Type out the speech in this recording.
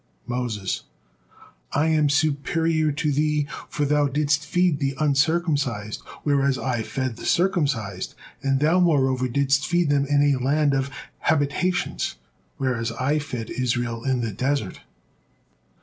Moses: "I am superior to thee, for thou didst feed the uncircumcised whereas I fed the circumcised; and thou, moreover, didst feed them in a land of habitations, whereas I fed Israel in the desert."